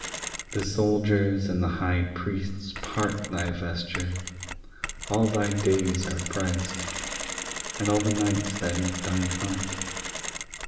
The soldiers and the high priests part Thy vesture: all thy days are priced, And all the nights that eat thine heart.